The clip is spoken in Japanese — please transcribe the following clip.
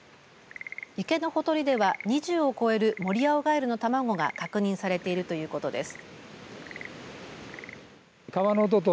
池のほとりでは２０を超えるモリアオガエルの卵が確認されているということです。